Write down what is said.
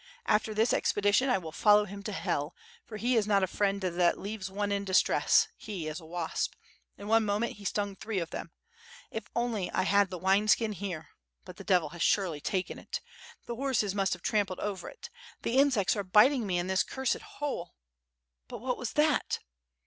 After this expedition, I will follow him to hell, for he is not a friend that leaves one in distress, he is a wasp. In one moment he stung three of them. If I only had the wine skin here; but the Devil has surely taken it. The horses must have trampled over it. The insects are biting me in this cursed hole. But what was that?"